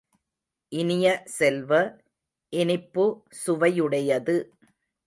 இனிய செல்வ, இனிப்பு சுவையுடையது.